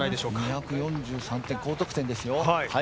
２４３点、高得点ですよ。